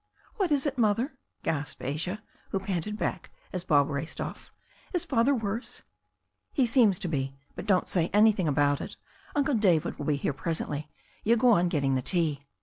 "What is it. Mother?" gasped Asia, who panted back as Bob raced off. "Is Father worse?" "He seems to be. But don't say an3rthing about it. Uncle David will be here presently. You go on getting the tea."